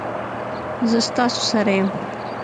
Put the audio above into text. زه ستاسو سره یم